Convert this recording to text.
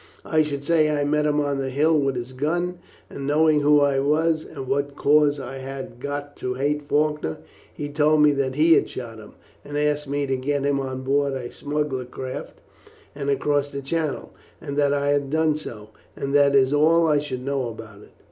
I should say I met him on the hills with his gun, and, knowing who I was, and what cause I had got to hate Faulkner, he told me that he had shot him, and asked me to get him on board a smuggler craft and across the Channel, and that I had done so: and that is all I should know about it.